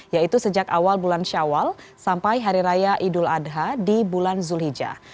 yaitu sejak awal bulan syawal sampai hari raya idul adha di bulan zulhijjah